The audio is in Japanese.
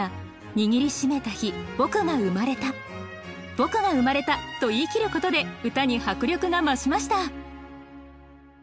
「僕が生まれた」と言い切ることで歌に迫力が増しました。